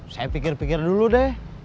saya pikir pikir dulu deh